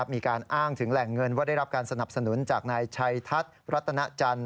มีการอ้างถึงแหล่งเงินว่าได้รับการสนับสนุนจากนายชัยทัศน์รัตนจันทร์